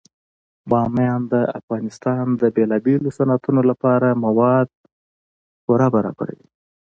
بامیان د افغانستان د بیلابیلو صنعتونو لپاره مواد پوره برابروي.